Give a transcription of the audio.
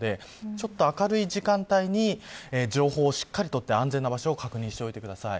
ちょっと明るい時間帯に情報をしっかり取って安全な場所を確認しておいてください。